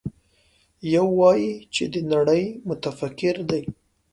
يو وايي چې د نړۍ متفکر دی.